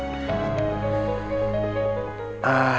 ya udah aku mau balik